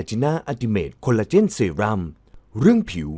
จะเอาอย่างนั้น